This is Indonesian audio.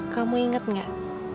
kamu inget gak